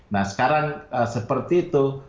nah sekarang seperti itu